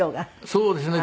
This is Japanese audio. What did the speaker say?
そうですね。